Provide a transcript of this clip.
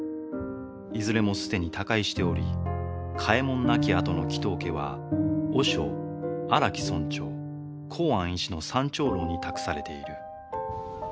いずれも既に他界しており嘉右衛門亡きあとの鬼頭家は和尚荒木村長幸庵医師の３長老に託されている。